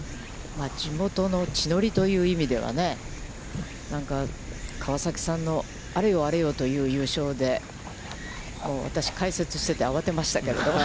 地元の地の利という意味ではね、なんか、川崎さんのあれよあれよという優勝で、私、解説してて、慌てましたけれど。